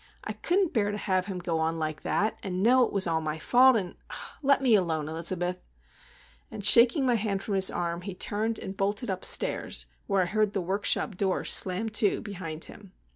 I couldn't bear to have him go on like that, and know it was all my fault, and,—oh, let me alone, Elizabeth!" And, shaking my hand from his arm, he turned and bolted upstairs, where I heard the workshop door slam to behind him.